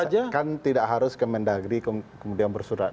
ya kan tidak harus ke mendagri kemudian bersurat